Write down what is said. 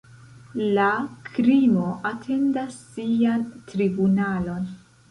La krimo atendas sian tribunalon.